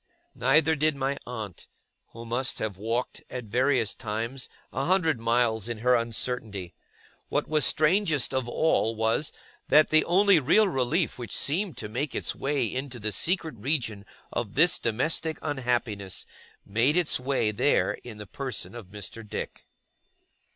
Neither did my aunt; who must have walked, at various times, a hundred miles in her uncertainty. What was strangest of all was, that the only real relief which seemed to make its way into the secret region of this domestic unhappiness, made its way there in the person of Mr. Dick.